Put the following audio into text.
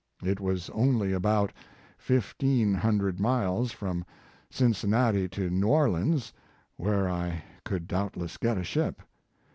It was only about fifteen hundred miles from Cincinnati to New Orleans where I could doubtless get a ship.